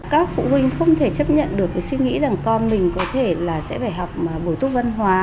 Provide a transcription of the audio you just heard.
các phụ huynh không thể chấp nhận được cái suy nghĩ rằng con mình có thể là sẽ phải học bổi túc văn hóa